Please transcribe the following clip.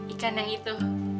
ikan yang itu